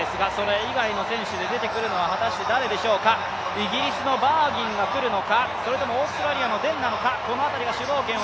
イギリスのバーギンがくるのか、それともオーストラリアのベンなのか。